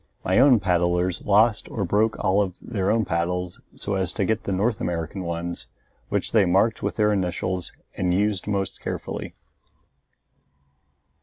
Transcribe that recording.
My own paddlers lost or broke all of their own paddles so as to get the North American ones, which they marked with their initials and used most carefully.